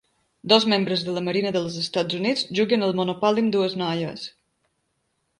Dos membres de la Marina dels Estats Units juguen al monopoli amb dues noies.